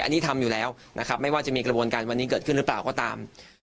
อันนี้ทำอยู่แล้วนะครับไม่ว่าจะมีกระบวนการวันนี้เกิดขึ้นหรือเปล่าก็ตาม